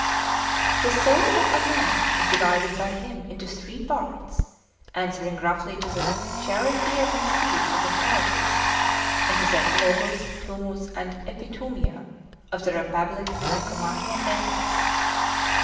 The soul of man is divided by him into three parts, answering roughly to the charioteer and steeds of the Phaedrus, and to the (Greek) of the Republic and Nicomachean Ethics.